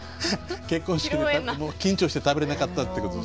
結婚式で緊張して食べれなかったってこと？